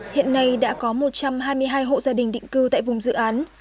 hiện nay đã có một trăm hai mươi hai hộ gia đình định cư tại vùng dự án